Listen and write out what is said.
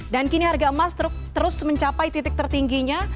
dan kini harga emas terus mencapai titik tertingginya